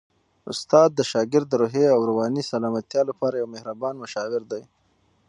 استاد د شاګرد د روحي او رواني سلامتیا لپاره یو مهربان مشاور دی.